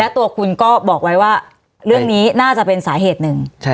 ตัวคุณก็บอกไว้ว่าเรื่องนี้น่าจะเป็นสาเหตุหนึ่ง